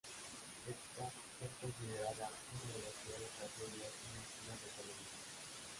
Ésta es considerada una de las peores tragedias en las vías de Colombia.